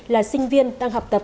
là sinh viên đang học tập